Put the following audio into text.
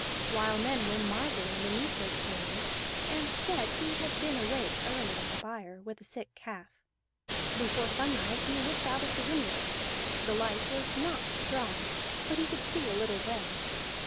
While men were marvelling the neatherd came in, and said he had been awake early in the byre, with a sick calf. Before sunrise he looked out of the window; the light was not strong, but he could see a little way.